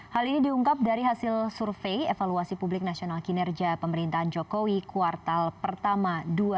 hal ini diungkap dari hasil survei evaluasi publik nasional kinerja pemerintahan jokowi kuartal pertama dua ribu dua puluh